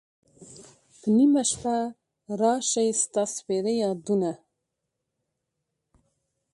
په نیمه شپه را شی ستا سپیره یادونه